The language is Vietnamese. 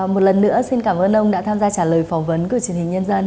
một lần nữa xin cảm ơn ông đã tham gia trả lời phỏng vấn của truyền hình nhân dân